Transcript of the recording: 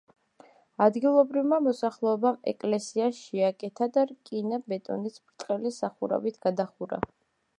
ადგილობრივმა მოსახლეობამ ეკლესია შეაკეთა და რკინა-ბეტონის ბრტყელი სახურავით გადახურა.